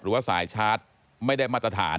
หรือว่าสายชาร์จไม่ได้มาตรฐาน